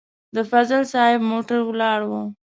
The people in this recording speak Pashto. د فضل صاحب موټر ولاړ و.